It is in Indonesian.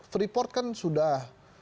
freeport kan sudah